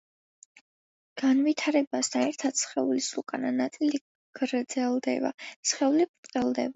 განვითარებასთან ერთად სხეულის უკანა ნაწილი გრძელდება, სხეული ბრტყელდება.